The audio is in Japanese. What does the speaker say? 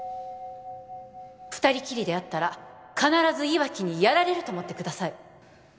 二人きりで会ったら必ず岩城にやられると思ってください